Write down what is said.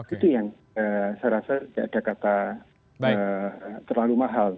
itu yang saya rasa tidak ada kata terlalu mahal